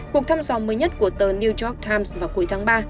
cuộc thăm dò mới nhất của tờ new york times vào cuối tháng ba